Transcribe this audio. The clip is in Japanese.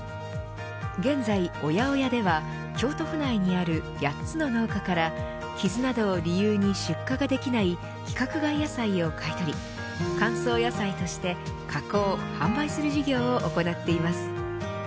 現在、ＯＹＡＯＹＡでは京都府内にある８つの農家から傷などを理由に出荷ができない規格外野菜を買い取り乾燥野菜として加工、販売する事業を行っています。